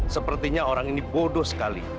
sepertinya orang ini bodoh sekali